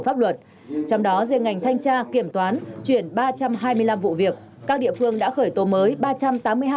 pháp luật trong đó riêng ngành thanh tra kiểm toán chuyển ba trăm hai mươi năm vụ việc các địa phương đã khởi tố mới